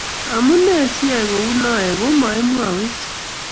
monunee si iyai kou noe komaimwowech?